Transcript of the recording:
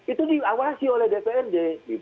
itu diawasi oleh dprd